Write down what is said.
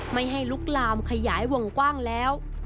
ไม่ให้ลุกลามขยายวงกว้างแล้ว